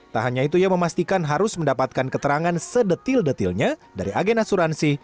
tak hanya itu ia memastikan harus mendapatkan keterangan sedetil detilnya dari agen asuransi